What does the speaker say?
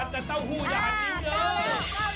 ตอนเต้าหู้อย่าหันยิ่ง